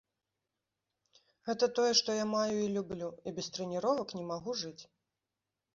Гэта тое, што я маю і люблю, і без трэніровак не магу жыць!